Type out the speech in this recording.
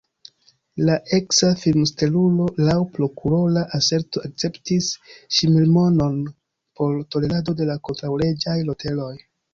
La eksa filmstelulo laŭ prokurora aserto akceptis ŝmirmonon por tolerado de kontraŭleĝaj loterioj.